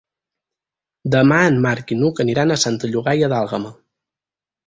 Demà en Marc i n'Hug aniran a Santa Llogaia d'Àlguema.